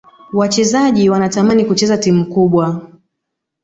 wachezaji wanatamani kucheza timu kubwa